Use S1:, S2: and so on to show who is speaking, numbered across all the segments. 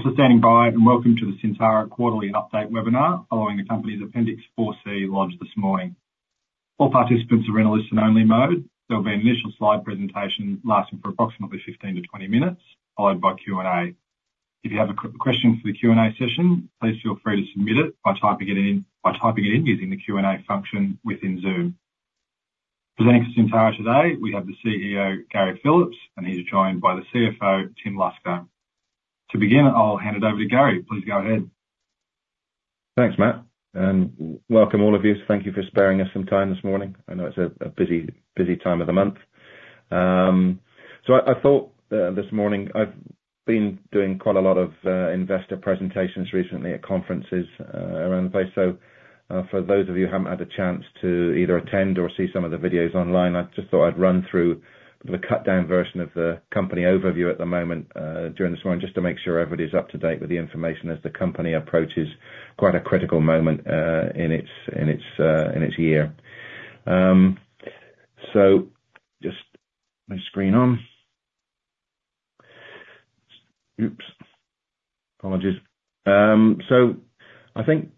S1: Thanks for standing by, and welcome to the Syntara Quarterly Update webinar following the company's Appendix 4C launch this morning. All participants are in a listen-only mode. There'll be an initial slide presentation lasting for approximately 15minutes-20 minutes, followed by Q&A. If you have a question for the Q&A session, please feel free to submit it by typing it in using the Q&A function within Zoom. Presenting for Syntara today, we have the CEO, Gary Phillips, and he's joined by the CFO, Tim Lusher. To begin, I'll hand it over to Gary. Please go ahead.
S2: Thanks Matt, and welcome, all of you. Thank you for sparing us some time this morning. I know it's a busy time of the month, so I thought this morning I've been doing quite a lot of investor presentations recently at conferences around the place, so for those of you who haven't had a chance to either attend or see some of the videos online, I just thought I'd run through the cut-down version of the company overview at the moment during this morning just to make sure everybody's up to date with the information as the company approaches quite a critical moment in its year, so just my screen on. Oops. Apologies. So I think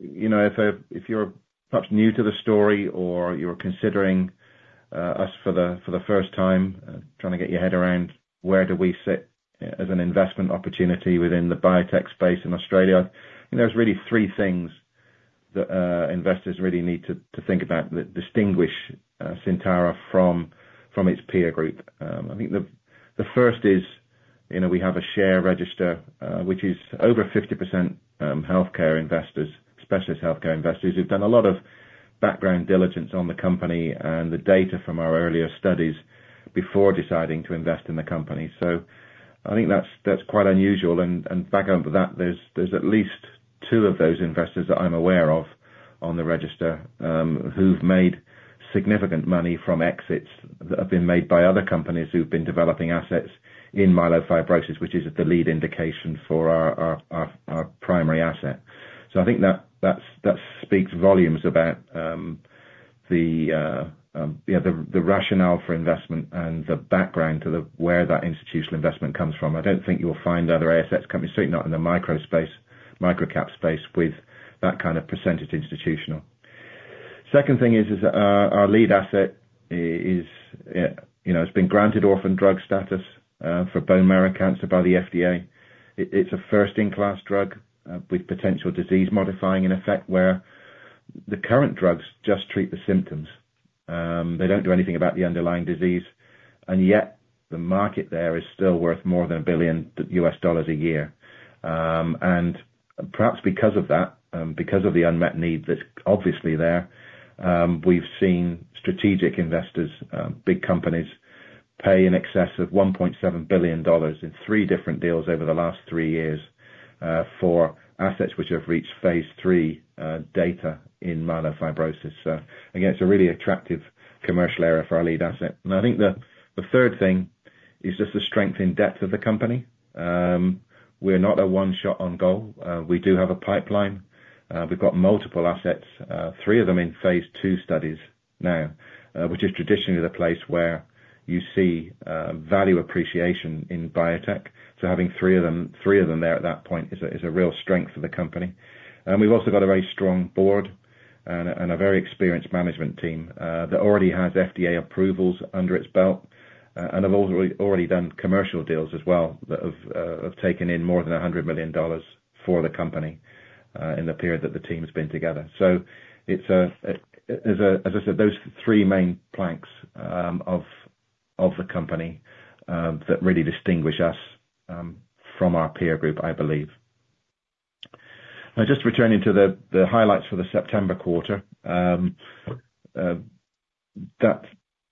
S2: if you're perhaps new to the story or you were considering us for the first time, trying to get your head around where do we sit as an investment opportunity within the biotech space in Australia, there's really three things that investors really need to think about that distinguish Syntara from its peer group. I think the first is we have a share register, which is over 50% healthcare investors, specialist healthcare investors. We've done a lot of background diligence on the company and the data from our earlier studies before deciding to invest in the company. So I think that's quite unusual. Back onto that, there's at least two of those investors that I'm aware of on the register who've made significant money from exits that have been made by other companies who've been developing assets in myelofibrosis, which is the lead indication for our primary asset. So I think that speaks volumes about the rationale for investment and the background to where that institutional investment comes from. I don't think you'll find other ASX companies, certainly not in the micro space, micro-cap space, with that kind of percentage institutional. Second thing is our lead asset has been granted orphan drug status for bone marrow cancer by the FDA. It's a first-in-class drug with potential disease-modifying effect where the current drugs just treat the symptoms. They don't do anything about the underlying disease. Yet the market there is still worth more than $1 billion a year. And perhaps because of that, because of the unmet need that's obviously there, we've seen strategic investors, big companies, pay in excess of $1.7 billion in three different deals over the last three years for assets which have reached phase three data in myelofibrosis. So again, it's a really attractive commercial area for our lead asset. And I think the third thing is just the strength in depth of the company. We're not a one-shot on goal. We do have a pipeline. We've got multiple assets, three of them in phase two studies now, which is traditionally the place where you see value appreciation in biotech. So having three of them there at that point is a real strength for the company. And we've also got a very strong board and a very experienced management team that already has FDA approvals under its belt. They've already done commercial deals as well that have taken in more than $100 million for the company in the period that the team has been together. So as I said, those three main planks of the company that really distinguish us from our peer group, I believe. Now, just returning to the highlights for the September quarter, that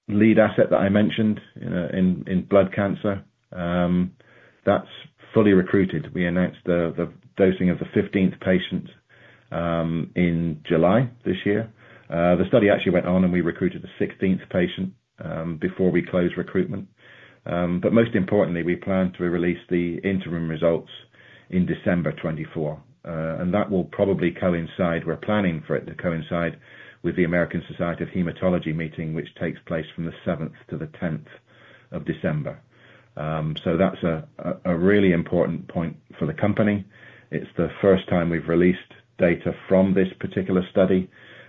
S2: lead asset that I mentioned in blood cancer, that's fully recruited. We announced the dosing of the 15th patient in July this year. The study actually went on, and we recruited the 16th patient before we closed recruitment. But most importantly, we plan to release the interim results in December 2024. And that will probably coincide. We're planning for it to coincide with the American Society of Hematology meeting, which takes place from the 7th to the 10th of December. So that's a really important point for the company. It's the first time we've released data from this particular study,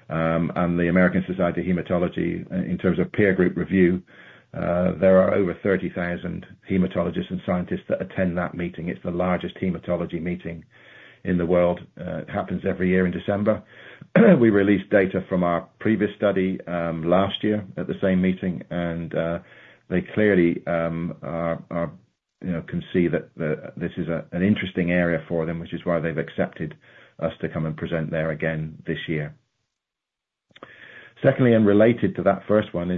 S2: and the American Society of Hematology, in terms of peer group review, there are over 30,000 hematologists and scientists that attend that meeting. It's the largest hematology meeting in the world. It happens every year in December. We released data from our previous study last year at the same meeting, and they clearly can see that this is an interesting area for them, which is why they've accepted us to come and present there again this year. Secondly, and related to that first one,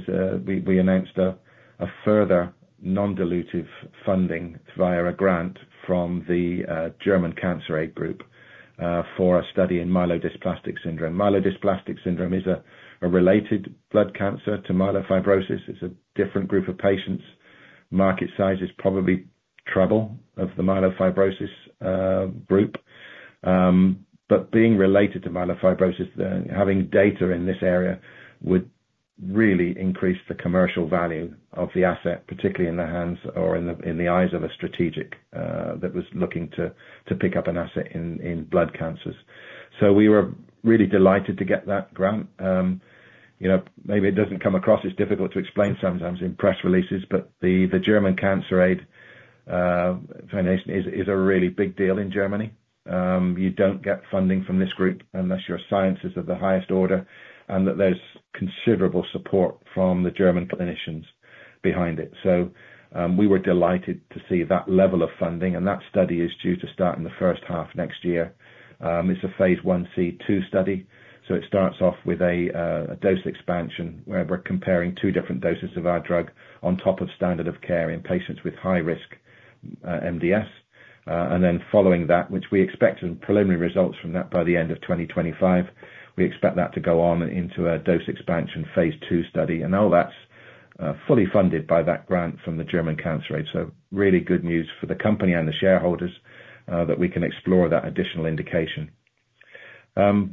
S2: we announced a further non-dilutive funding via a grant from the German Cancer Aid for a study in myelodysplastic syndrome. Myelodysplastic syndrome is a related blood cancer to myelofibrosis. It's a different group of patients. Market size is probably triple that of the myelofibrosis group. Being related to myelofibrosis, having data in this area would really increase the commercial value of the asset, particularly in the hands or in the eyes of a strategic that was looking to pick up an asset in blood cancers. So we were really delighted to get that grant. Maybe it doesn't come across. It's difficult to explain sometimes in press releases, but the German Cancer Aid is a really big deal in Germany. You don't get funding from this group unless your science is of the highest order and that there's considerable support from the German clinicians behind it. So we were delighted to see that level of funding. And that study is due to start in the first half next year. It's a phase 1c/2 study. It starts off with a dose expansion where we're comparing two different doses of our drug on top of standard of care in patients with high-risk MDS. Then following that, which we expect some preliminary results from that by the end of 2025, we expect that to go on into a dose expansion phase two study. And all that's fully funded by that grant from the German Cancer Aid. It is really good news for the company and the shareholders that we can explore that additional indication.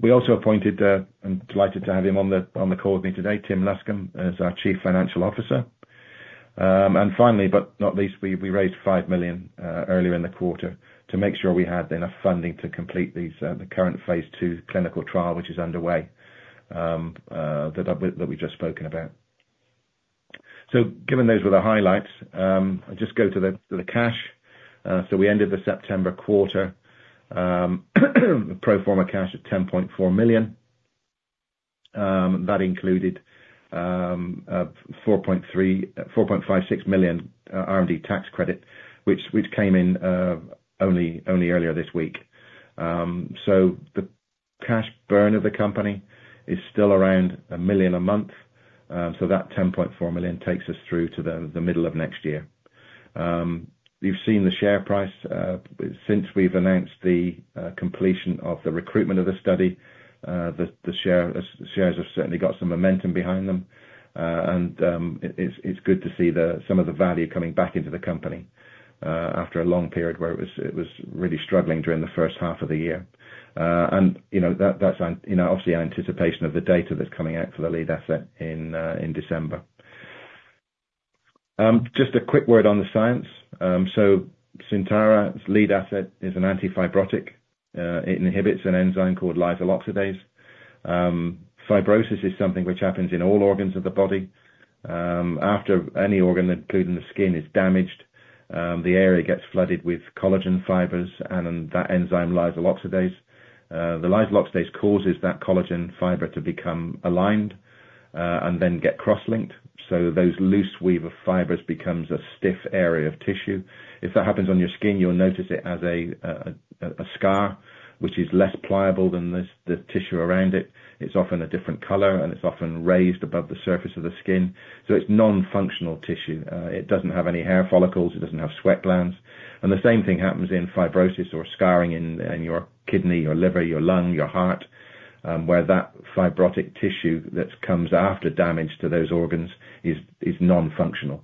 S2: We also appointed and are delighted to have him on the call with me today, Tim Lusher, as our Chief Financial Officer. Finally, but not least, we raised 5 million earlier in the quarter to make sure we had enough funding to complete the current phase two clinical trial, which is underway that we've just spoken about. So given those were the highlights, I'll just go to the cash. So we ended the September quarter pro forma cash at 10.4 million. That included 4.56 million R&D tax credit, which came in only earlier this week. So the cash burn of the company is still around 1 million a month. So that 10.4 million takes us through to the middle of next year. You've seen the share price since we've announced the completion of the recruitment of the study. The shares have certainly got some momentum behind them. And it's good to see some of the value coming back into the company after a long period where it was really struggling during the first half of the year. And that's obviously in anticipation of the data that's coming out for the lead asset in December. Just a quick word on the science. So Syntara's lead asset is an anti-fibrotic. It inhibits an enzyme called lysyl oxidase. Fibrosis is something which happens in all organs of the body. After any organ, including the skin, is damaged, the area gets flooded with collagen fibers, and that enzyme, lysyl oxidase. The lysyl oxidase causes that collagen fiber to become aligned and then get cross-linked. So those loose weave of fibers becomes a stiff area of tissue. If that happens on your skin, you'll notice it as a scar, which is less pliable than the tissue around it. It's often a different color, and it's often raised above the surface of the skin. So it's non-functional tissue. It doesn't have any hair follicles. It doesn't have sweat glands. And the same thing happens in fibrosis or scarring in your kidney, your liver, your lung, your heart, where that fibrotic tissue that comes after damage to those organs is non-functional.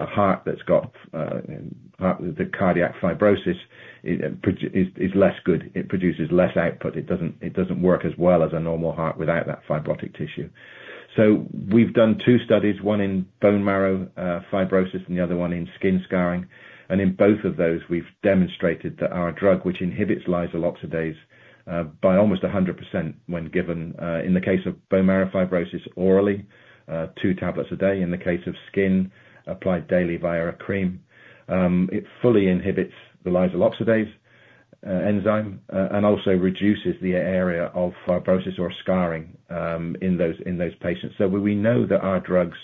S2: A heart that's got the cardiac fibrosis is less good. It produces less output. It doesn't work as well as a normal heart without that fibrotic tissue. So we've done two studies, one in bone marrow fibrosis and the other one in skin scarring. And in both of those, we've demonstrated that our drug, which inhibits lysyl oxidase by almost 100% when given in the case of bone marrow fibrosis orally, two tablets a day. In the case of skin, applied daily via a cream, it fully inhibits the lysyl oxidase enzyme and also reduces the area of fibrosis or scarring in those patients. So we know that our drugs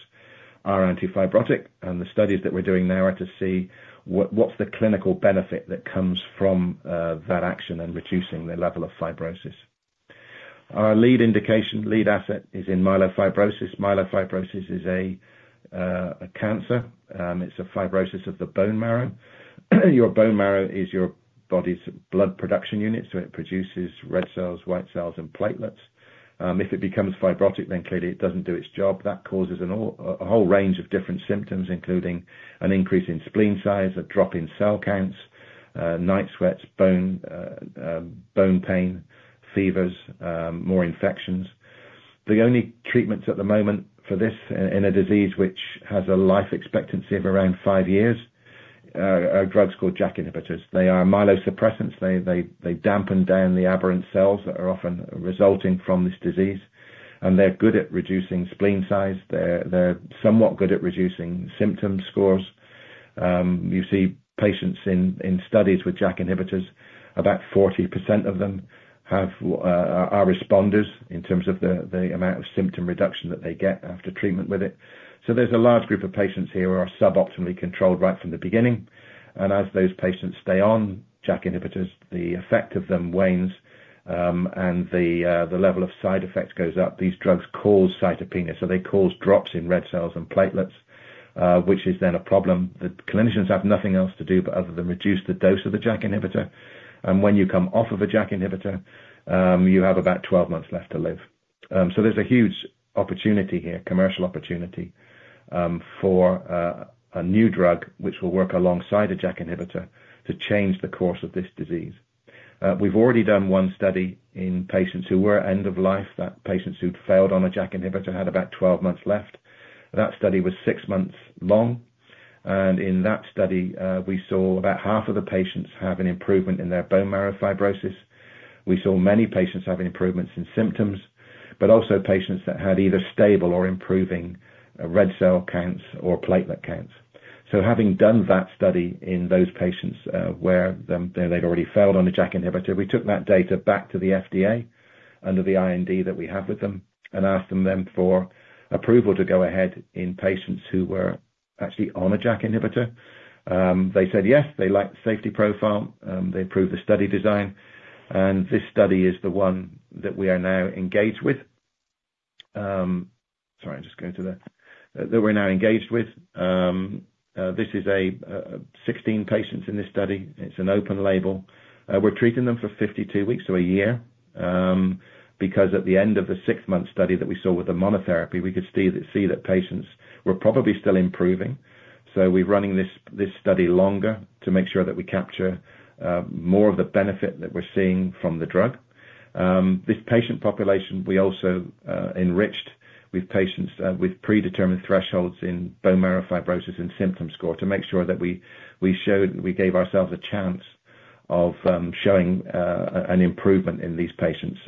S2: are anti-fibrotic, and the studies that we're doing now are to see what's the clinical benefit that comes from that action and reducing the level of fibrosis. Our lead indication, lead asset, is in myelofibrosis. Myelofibrosis is a cancer. It's a fibrosis of the bone marrow. Your bone marrow is your body's blood production unit, so it produces red cells, white cells, and platelets. If it becomes fibrotic, then clearly it doesn't do its job. That causes a whole range of different symptoms, including an increase in spleen size, a drop in cell counts, night sweats, bone pain, fevers, more infections. The only treatments at the moment for this in a disease which has a life expectancy of around five years are drugs called JAK inhibitors. They are myelosuppressants. They dampen down the aberrant cells that are often resulting from this disease. And they're good at reducing spleen size. They're somewhat good at reducing symptom scores. You see patients in studies with JAK inhibitors. About 40% of them are responders in terms of the amount of symptom reduction that they get after treatment with it. So there's a large group of patients here who are suboptimally controlled right from the beginning. And as those patients stay on JAK inhibitors, the effect of them wanes and the level of side effects goes up. These drugs cause cytopenias. So they cause drops in red cells and platelets, which is then a problem. The clinicians have nothing else to do but other than reduce the dose of the JAK inhibitor. And when you come off of a JAK inhibitor, you have about 12 months left to live. So there's a huge opportunity here, commercial opportunity, for a new drug which will work alongside a JAK inhibitor to change the course of this disease. We've already done one study in patients who were end of life. That patients who'd failed on a JAK inhibitor had about 12 months left. That study was six months long. And in that study, we saw about half of the patients have an improvement in their bone marrow fibrosis. We saw many patients have improvements in symptoms, but also patients that had either stable or improving red cell counts or platelet counts. So having done that study in those patients where they'd already failed on a JAK inhibitor, we took that data back to the FDA under the IND that we have with them and asked them then for approval to go ahead in patients who were actually on a JAK inhibitor. They said yes. They liked the safety profile. They approved the study design. And this study is the one that we are now engaged with. Sorry, I'm just going to the that we're now engaged with. This is 16 patients in this study. It's an open-label. We're treating them for 52 weeks to a year because at the end of the six-month study that we saw with the monotherapy, we could see that patients were probably still improving, so we're running this study longer to make sure that we capture more of the benefit that we're seeing from the drug. This patient population, we also enriched with patients with predetermined thresholds in bone marrow fibrosis and symptom score to make sure that we gave ourselves a chance of showing an improvement in these patients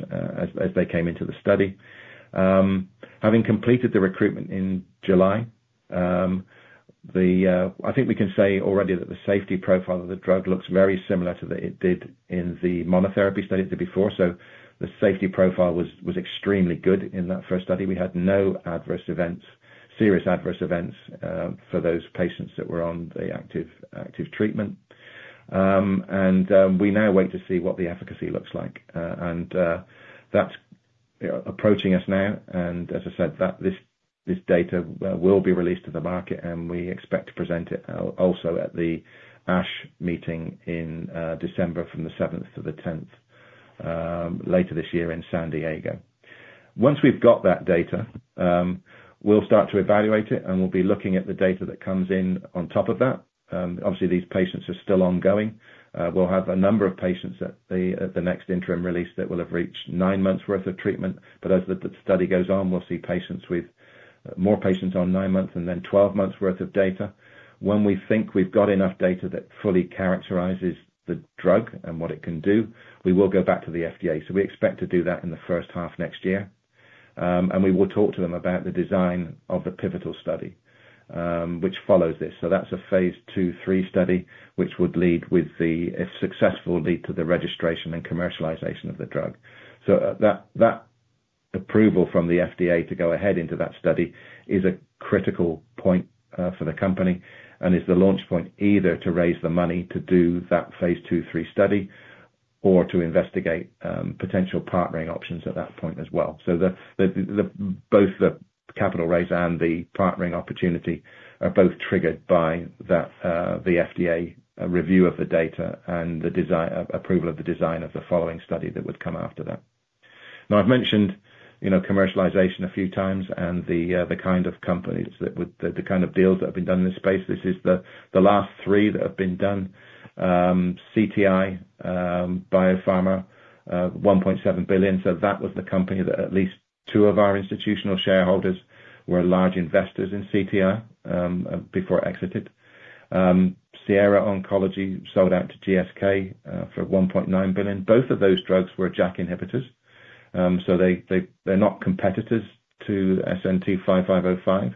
S2: as they came into the study. Having completed the recruitment in July, I think we can say already that the safety profile of the drug looks very similar to what it did in the monotherapy study before, so the safety profile was extremely good in that first study. We had no adverse events, serious adverse events for those patients that were on the active treatment. And we now wait to see what the efficacy looks like. And that's approaching us now. And as I said, this data will be released to the market, and we expect to present it also at the ASH meeting in December from the 7th to the 10th later this year in San Diego. Once we've got that data, we'll start to evaluate it, and we'll be looking at the data that comes in on top of that. Obviously, these patients are still ongoing. We'll have a number of patients at the next interim release that will have reached nine months' worth of treatment. But as the study goes on, we'll see more patients on nine months and then 12 months' worth of data. When we think we've got enough data that fully characterizes the drug and what it can do, we will go back to the FDA, so we expect to do that in the first half next year. We will talk to them about the design of the pivotal study, which follows this, so that's a Phase 2/3 study, which would lead with the, if successful, lead to the registration and commercialization of the drug. That approval from the FDA to go ahead into that study is a critical point for the company and is the launch point either to raise the money to do that Phase 2/3 study or to investigate potential partnering options at that point as well. So both the capital raise and the partnering opportunity are both triggered by the FDA review of the data and the approval of the design of the following study that would come after that. Now, I've mentioned commercialization a few times and the kind of companies that would the kind of deals that have been done in this space. This is the last three that have been done. CTI BioPharma, $1.7 billion. So that was the company that at least two of our institutional shareholders were large investors in CTI before exited. Sierra Oncology sold out to GSK for $1.9 billion. Both of those drugs were JAK inhibitors. So they're not competitors to SNT-5505.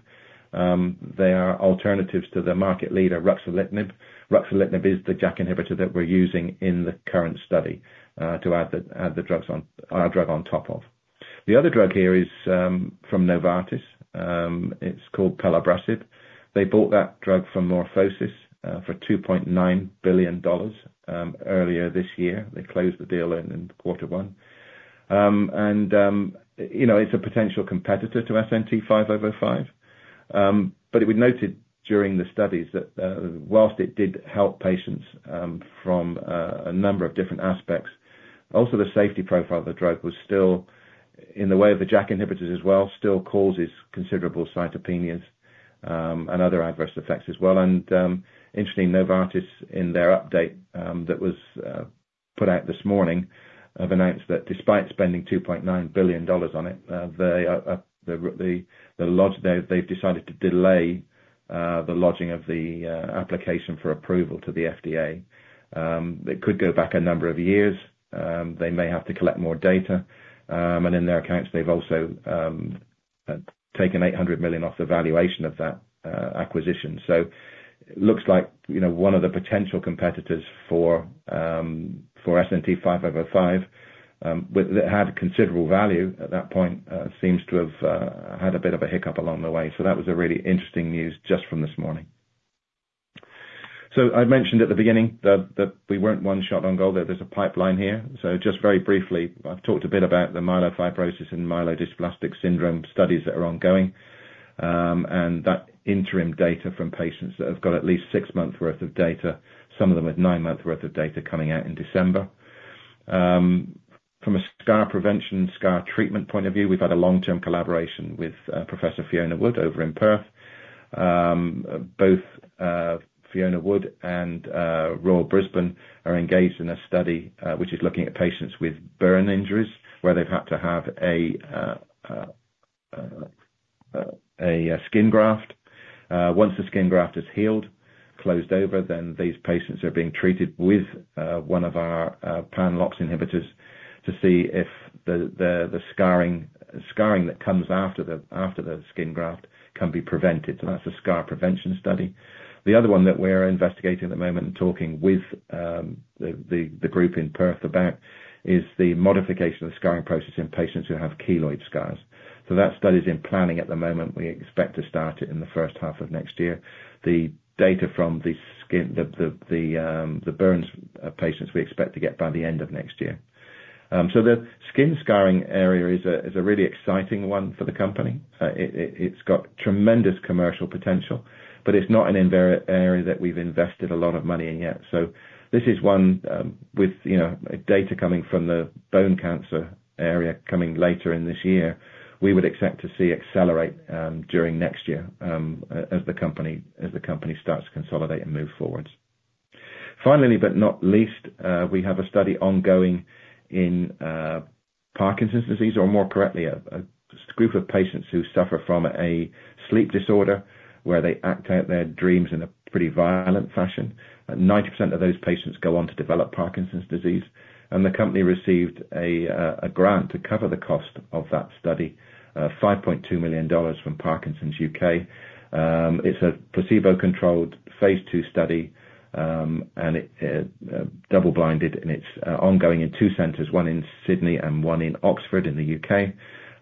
S2: They are alternatives to the market leader, ruxolitinib. Ruxolitinib is the JAK inhibitor that we're using in the current study to add the drug on top of. The other drug here is from Novartis. It's called pelabresib. They bought that drug from MorphoSys for $2.9 billion earlier this year. They closed the deal in quarter one. And it's a potential competitor to SNT-5505. But it was noted during the studies that while it did help patients from a number of different aspects, also the safety profile of the drug was still, in the way of the JAK inhibitors as well, still causes considerable cytopenias and other adverse effects as well. And interestingly, Novartis, in their update that was put out this morning, have announced that despite spending $2.9 billion on it, they've decided to delay the lodging of the application for approval to the FDA. It could go back a number of years. They may have to collect more data. And in their accounts, they've also taken $800 million off the valuation of that acquisition. It looks like one of the potential competitors for SNT-5505 that had considerable value at that point seems to have had a bit of a hiccup along the way. That was really interesting news just from this morning. I mentioned at the beginning that we weren't one shot on goal. There's a pipeline here. Just very briefly, I've talked a bit about the myelofibrosis and myelodysplastic syndrome studies that are ongoing and that interim data from patients that have got at least six months' worth of data, some of them with nine months' worth of data coming out in December. From a scar prevention, scar treatment point of view, we've had a long-term collaboration with Professor Fiona Wood over in Perth. Both Fiona Wood and Royal Brisbane are engaged in a study which is looking at patients with bone injuries where they've had to have a skin graft. Once the skin graft has healed, closed over, then these patients are being treated with one of our pan-LOX inhibitors to see if the scarring that comes after the skin graft can be prevented. So that's a scar prevention study. The other one that we're investigating at the moment and talking with the group in Perth about is the modification of the scarring process in patients who have keloid scars. So that study is in planning at the moment. We expect to start it in the first half of next year. The data from the bone patients we expect to get by the end of next year. So the skin scarring area is a really exciting one for the company. It's got tremendous commercial potential, but it's not an area that we've invested a lot of money in yet. So this is one with data coming from the bone cancer area coming later in this year. We would expect to see accelerate during next year as the company starts to consolidate and move forward. Finally, but not least, we have a study ongoing in Parkinson's disease, or more correctly, a group of patients who suffer from a sleep disorder where they act out their dreams in a pretty violent fashion. 90% of those patients go on to develop Parkinson's disease, and the company received a grant to cover the cost of that study, 5.2 million dollars from Parkinson's UK. It's a placebo-controlled phase two study, and it's double-blinded, and it's ongoing in two centers, one in Sydney and one in Oxford in the U.K.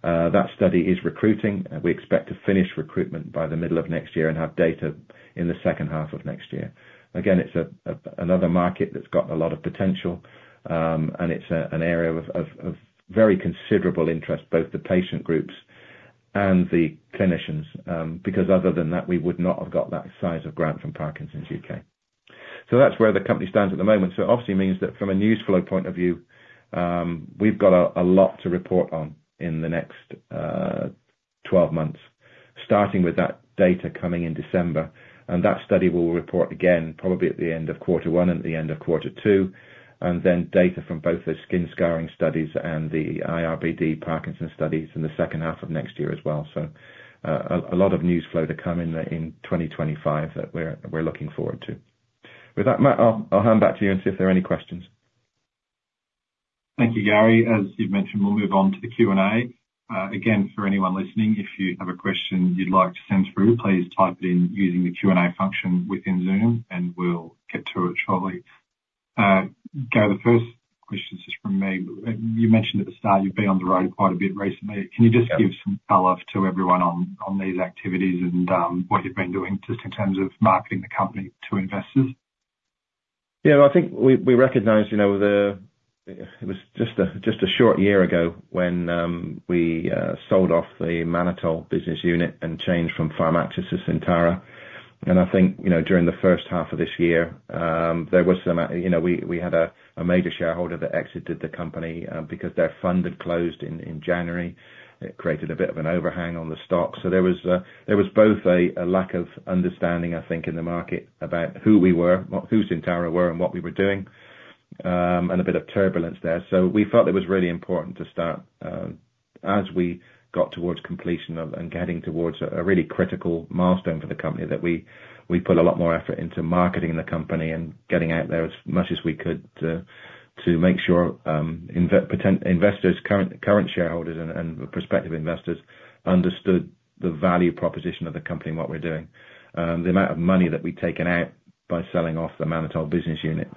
S2: That study is recruiting. We expect to finish recruitment by the middle of next year and have data in the second half of next year. Again, it's another market that's got a lot of potential, and it's an area of very considerable interest, both the patient groups and the clinicians, because other than that, we would not have got that size of grant from Parkinson's U.K.. So that's where the company stands at the moment. So it obviously means that from a news flow point of view, we've got a lot to report on in the next 12 months, starting with that data coming in December. And that study will report again, probably at the end of quarter one and at the end of quarter two, and then data from both the skin scarring studies and the IRBD Parkinson's studies in the second half of next year as well. So a lot of news flow to come in 2025 that we're looking forward to. With that, I'll hand back to you and see if there are any questions.
S1: Thank you, Gary. As you've mentioned, we'll move on to the Q&A. Again, for anyone listening, if you have a question you'd like to send through, please type it in using the Q&A function within Zoom, and we'll get to it shortly. Gary, the first question is just from me. You mentioned at the start you've been on the road quite a bit recently. Can you just give some follow-up to everyone on these activities and what you've been doing just in terms of marketing the company to investors?
S2: Yeah, I think we recognize it was just a short year ago when we sold off the mannitol business unit and changed from Pharmaxis to Syntara. I think during the first half of this year, there was. We had a major shareholder that exited the company because their fund had closed in January. It created a bit of an overhang on the stock. There was both a lack of understanding, I think, in the market about who we were, who Syntara were, and what we were doing, and a bit of turbulence there. So we felt it was really important to start, as we got towards completion and getting towards a really critical milestone for the company, that we put a lot more effort into marketing the company and getting out there as much as we could to make sure investors, current shareholders, and prospective investors understood the value proposition of the company and what we're doing, the amount of money that we've taken out by selling off the mannitol business unit,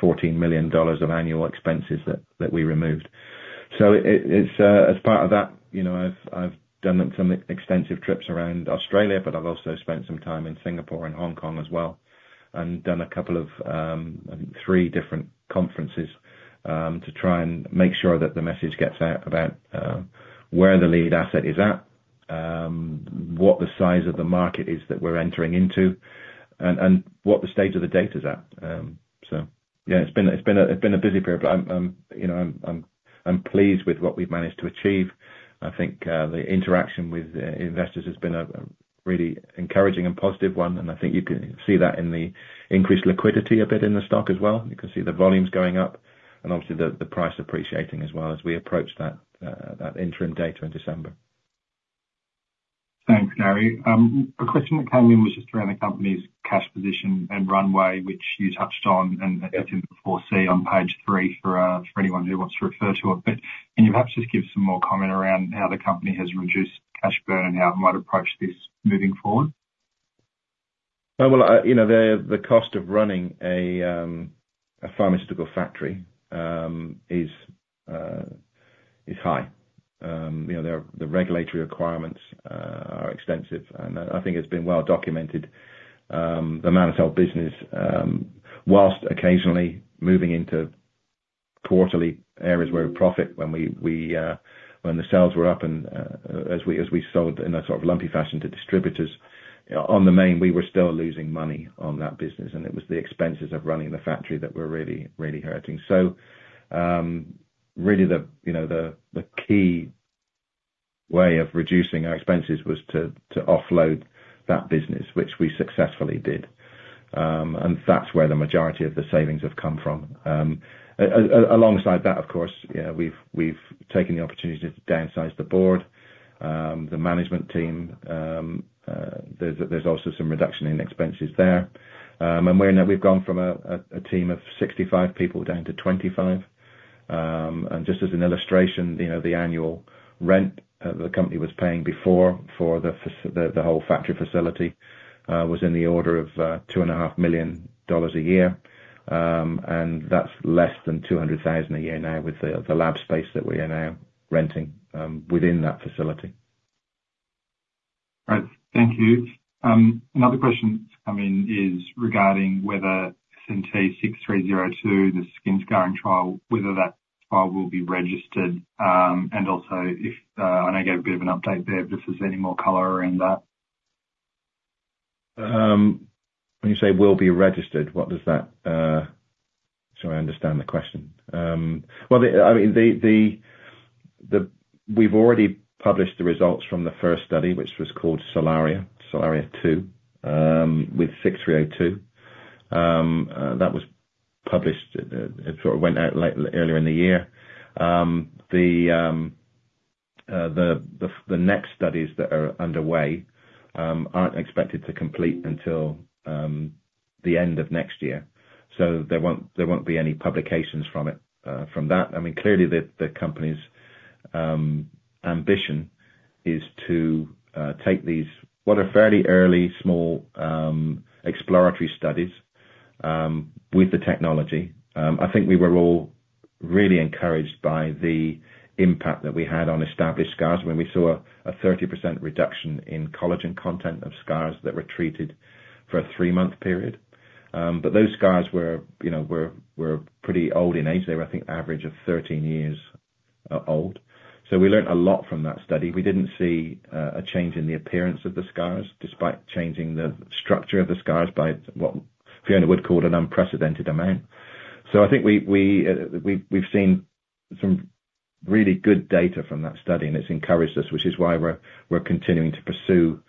S2: 14 million dollars of annual expenses that we removed. So as part of that, I've done some extensive trips around Australia, but I've also spent some time in Singapore and Hong Kong as well and done a couple of three different conferences to try and make sure that the message gets out about where the lead asset is at, what the size of the market is that we're entering into, and what the state of the data is at. So yeah, it's been a busy period, but I'm pleased with what we've managed to achieve. I think the interaction with investors has been a really encouraging and positive one. And I think you can see that in the increased liquidity a bit in the stock as well. You can see the volumes going up and obviously the price appreciating as well as we approach that interim data in December.
S1: Thanks Gary. A question that came in was just around the company's cash position and runway, which you touched on and it's in the 4C on page three for anyone who wants to refer to it. But can you perhaps just give some more comment around how the company has reduced cash burn and how it might approach this moving forward?
S2: Well, the cost of running a pharmaceutical factory is high. The regulatory requirements are extensive. And I think it's been well documented, the mannitol business, while occasionally moving into quarterly areas where we profit when the sales were up and as we sold in a sort of lumpy fashion to distributors, on the main, we were still losing money on that business. And it was the expenses of running the factory that were really, really hurting. So really, the key way of reducing our expenses was to offload that business, which we successfully did. And that's where the majority of the savings have come from. Alongside that, of course, we've taken the opportunity to downsize the board, the management team. There's also some reduction in expenses there. And we've gone from a team of 65 people down to 25. And just as an illustration, the annual rent the company was paying before for the whole factory facility was in the order of 2.5 million dollars a year. And that's less than 200,000 a year now with the lab space that we are now renting within that facility.
S1: Right. Thank you. Another question that's come in is regarding whether SNT-6302, the skin scarring trial, whether that trial will be registered and also if I know you gave a bit of an update there, but if there's any more color around that.
S2: When you say will be registered, what does that sorry, I understand the question. Well, I mean, we've already published the results from the first study, which was called Solaria, Solaria 2 with SNT-6302. That was published, sort of went out earlier in the year. The next studies that are underway aren't expected to complete until the end of next year. So there won't be any publications from that. I mean, clearly, the company's ambition is to take these what are fairly early small exploratory studies with the technology. I think we were all really encouraged by the impact that we had on established scars when we saw a 30% reduction in collagen content of scars that were treated for a three-month period. But those scars were pretty old in age. They were, I think, the average of 13 years old. So we learned a lot from that study. We didn't see a change in the appearance of the scars despite changing the structure of the scars by what Fiona would call an unprecedented amount. So I think we've seen some really good data from that study, and it's encouraged us, which is why we're continuing to pursue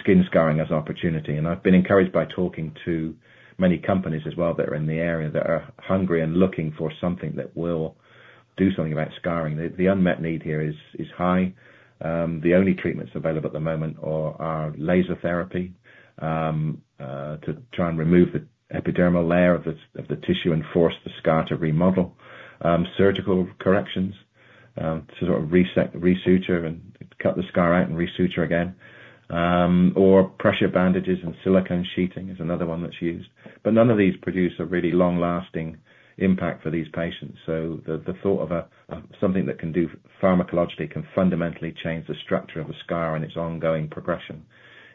S2: skin scarring as an opportunity. And I've been encouraged by talking to many companies as well that are in the area that are hungry and looking for something that will do something about scarring. The unmet need here is high. The only treatments available at the moment are laser therapy to try and remove the epidermal layer of the tissue and force the scar to remodel, surgical corrections to sort of resuture and cut the scar out and resuture again, or pressure bandages and silicone sheeting is another one that's used. But none of these produce a really long-lasting impact for these patients. So the thought of something that can do pharmacologically can fundamentally change the structure of a scar and its ongoing progression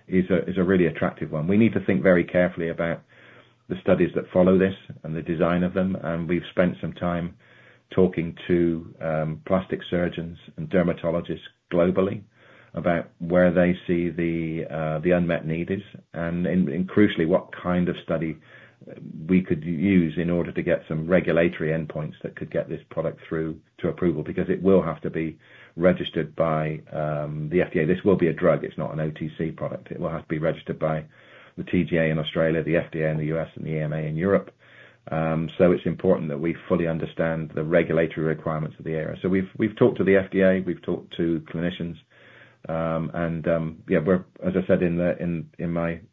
S2: is a really attractive one. We need to think very carefully about the studies that follow this and the design of them. And we've spent some time talking to plastic surgeons and dermatologists globally about where they see the unmet need is and, crucially, what kind of study we could use in order to get some regulatory endpoints that could get this product through to approval because it will have to be registered by the FDA. This will be a drug. It's not an OTC product. It will have to be registered by the TGA in Australia, the FDA in the U.S., and the EMA in Europe. So it's important that we fully understand the regulatory requirements of the area. So we've talked to the FDA. We've talked to clinicians. And yeah, as I said in my presentation,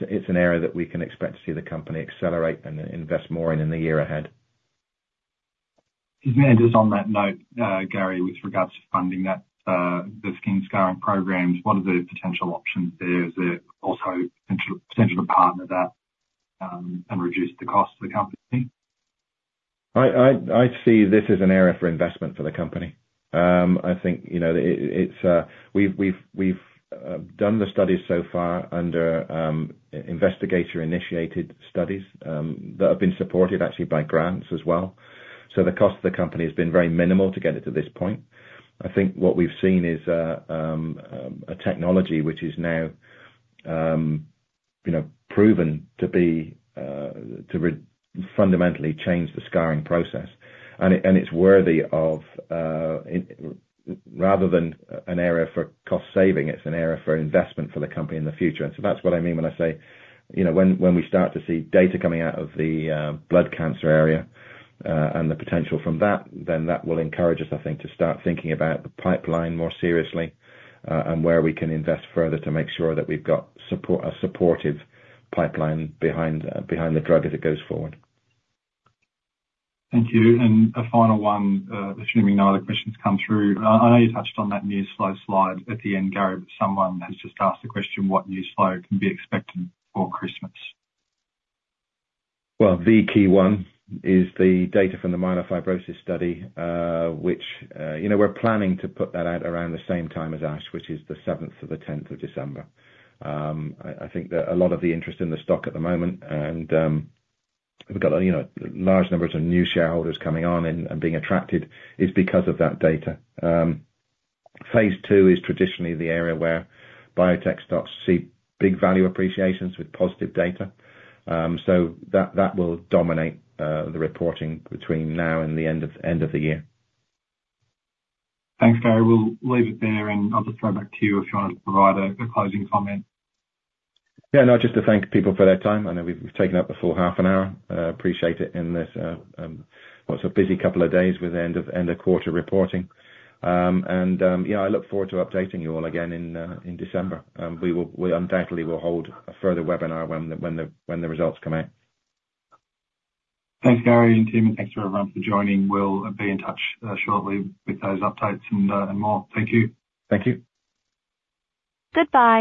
S2: it's an area that we can expect to see the company accelerate and invest more in in the year ahead. Excuse me.
S1: Just on that note, Gary, with regards to funding the skin scarring programs, what are the potential options there? Is there also potential to partner that and reduce the cost of the company?
S2: I see this as an area for investment for the company. I think we've done the studies so far under investigator-initiated studies that have been supported actually by grants as well. So the cost of the company has been very minimal to get it to this point. I think what we've seen is a technology which is now proven to fundamentally change the scarring process. It's worthy of rather than an area for cost saving; it's an area for investment for the company in the future. So that's what I mean when I say when we start to see data coming out of the blood cancer area and the potential from that, then that will encourage us, I think, to start thinking about the pipeline more seriously and where we can invest further to make sure that we've got a supportive pipeline behind the drug as it goes forward. Thank you. And a final one, assuming no other questions come through. I know you touched on that news flow slide at the end, Gary, but someone has just asked the question what news flow can be expected for Christmas. Well, the key one is the data from the myelofibrosis study, which we're planning to put that out around the same time as ASH, which is the 7th or the 10th of December. I think that a lot of the interest in the stock at the moment, and we've got large numbers of new shareholders coming on and being attracted, is because of that data. Phase two is traditionally the area where biotech stocks see big value appreciations with positive data, so that will dominate the reporting between now and the end of the year.
S1: Thanks Gary. We'll leave it there, and I'll just throw back to you if you want to provide a closing comment.
S2: Yeah, no, just to thank people for their time. I know we've taken up the full half an hour. Appreciate it, in this, what's a busy couple of days with end-of-quarter reporting, and I look forward to updating you all again in December. We undoubtedly will hold a further webinar when the results come out.
S1: Thanks Gary, and team, and thanks to everyone for joining. We'll be in touch shortly with those updates and more. Thank you.
S2: Thank you.
S3: Goodbye.